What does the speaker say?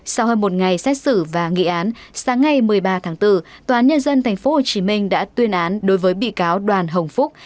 sau hơn một ngày xét xử và nghị án sáng ngày một mươi ba tháng bốn tòa án nhân dân tp hcm đã tuyên án đối với bị cáo đoàn hồng phúc